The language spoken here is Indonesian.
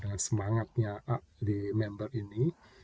dengan semangatnya member ini